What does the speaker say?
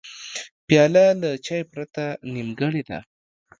پیاله له چای پرته نیمګړې ده.